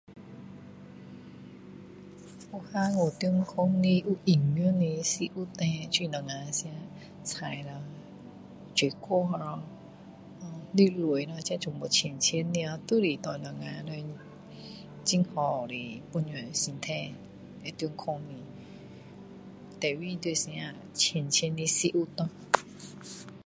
我看有健康的营养的食物叻就是我们吃菜咯水果咯肉类咯这全部新鲜的哦都是对我们人很好的帮助身体会健康的最要紧要吃新鲜的食物咯